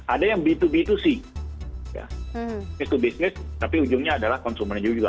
ada yang b dua b dua c ya to business tapi ujungnya adalah konsumen juga